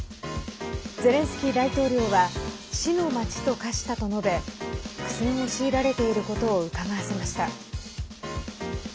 ゼレンスキー大統領は死の街と化したと述べ苦戦を強いられていることをうかがわせました。